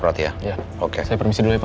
saya permisi dulu pak